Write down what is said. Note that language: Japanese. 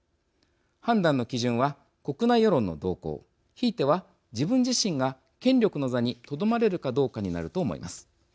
判断の基準は国内世論の動向、ひいては自分自身が権力の座にとどまれるかどうかになると思います。